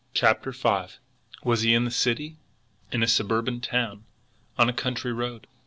CHAPTER V ON GUARD Was he in the city? In a suburban town? On a country road?